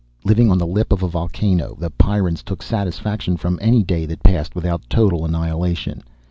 Living on the lip of a volcano. The Pyrrans took satisfaction from any day that passed without total annihilation.